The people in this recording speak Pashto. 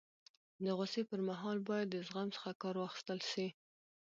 د غوصي پر مهال باید د زغم څخه کار واخستل سي.